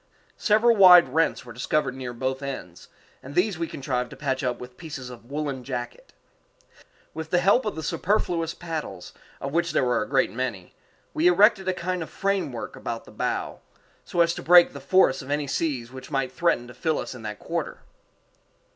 Several wide rents were discovered near both ends, and these we contrived to patch up with pieces of woollen jacket. With the help of the superfluous paddles, of which there were a great many, we erected a kind of framework about the bow, so as to break the force of any seas which might threaten to fill us in that quarter.